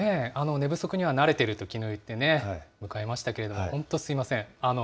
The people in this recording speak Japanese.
寝不足には慣れてるときのう言ってね、迎えましたけれども、本当、すみません。